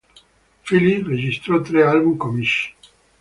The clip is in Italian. Philips registrò tre album comici.